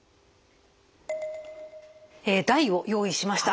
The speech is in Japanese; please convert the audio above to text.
え台を用意しました。